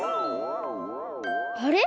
あれ？